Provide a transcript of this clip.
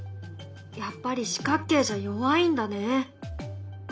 やっぱり四角形じゃ弱いんだね。